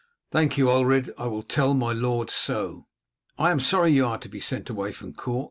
"Thank you, Ulred, I will tell my lord so." "I am sorry you are to be sent away from court.